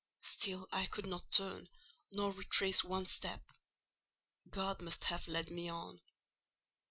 Still I could not turn, nor retrace one step. God must have led me on.